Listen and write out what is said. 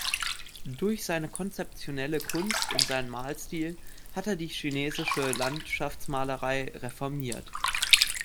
Durch seine konzeptionelle Kunst und seinen Malstil hat er die chinesische Landschaftsmalerei reformiert.